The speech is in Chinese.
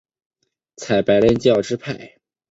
采白莲教支派。